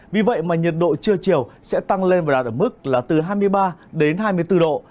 vì vậy mà nhiệt độ trưa chiều sẽ tăng lên và đạt ở mức là từ hai mươi ba đến hai mươi bốn độ